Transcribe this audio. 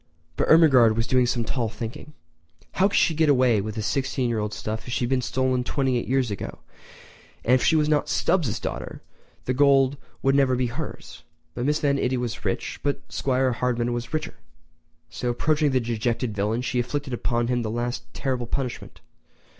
But Ermengarde was doing some tall thinking. How could she get away with the sixteen year old stuff if she had been stolen twenty eight years ago? And if she was not Stubbs' daughter the gold would never be hers. Mrs. Van Itty was rich, but 'Squire Hardman was richer. So, approaching the dejected villain, she inflicted upon him the last terrible punishment.